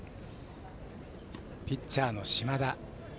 ピッチャーの島田。